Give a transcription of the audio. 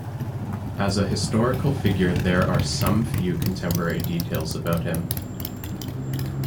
As a historical figure there are some few contemporary details about him.